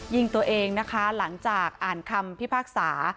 ยิงตัวเองนะคะหลังจากอ่านคำพิพากษา